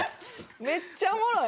めっちゃおもろい！